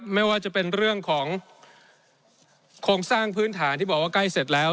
ไม่ว่าจะเป็นเรื่องของโครงสร้างพื้นฐานที่บอกว่าใกล้เสร็จแล้ว